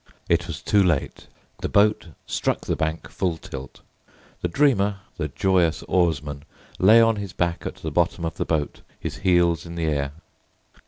It was too late. The boat struck the bank full tilt. The dreamer, the joyous oarsman, lay on his back at the bottom of the boat, his heels in the air.